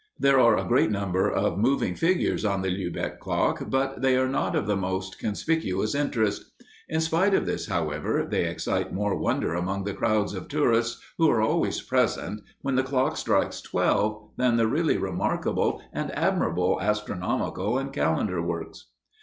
There are a great number of moving figures on the Lübeck clock, but they are not of the most conspicuous interest. In spite of this, however, they excite more wonder among the crowds of tourists who are always present when the clock strikes twelve than the really remarkable and admirable astronomical and calendar works.